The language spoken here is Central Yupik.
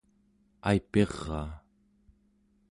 aipiraa